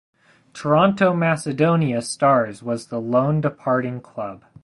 Toronto Macedonia Stars was the lone departing club.